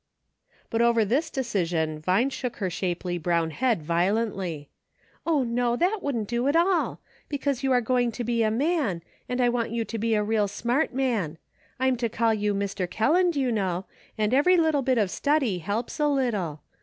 But over this decision Vine shook her shapely brown head violently. " O, no ! that wouldn't do at all ; because you are going to be a man, and I want you to be a real smart man. I'm to call you Mr. Kelland, you know, and every little bit of study helps a little.